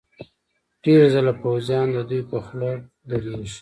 ډېر ځله پوځیان ددوی په خوا درېږي.